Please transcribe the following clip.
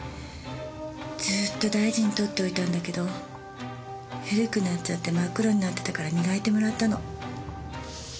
ずっと大事に取っておいたんだけど古くなっちゃって真っ黒になってたから磨いてもらったの。